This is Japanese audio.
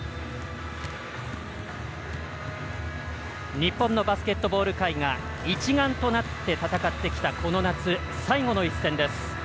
日本のバスケットボール界が一丸となって戦ってきたこの夏、最後の一戦です。